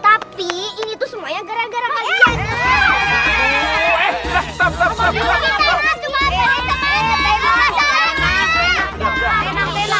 tapi ini tuh semuanya gara gara kain